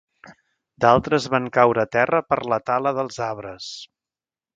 D'altres van caure a terra per la tala dels arbres.